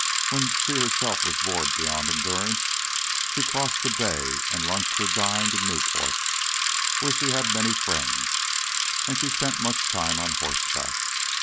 When she herself was bored beyond endurance, she crossed the bay and lunched or dined in Newport, where she had many friends; and she spent much time on horseback.